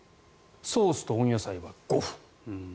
ソースと温野菜は５分。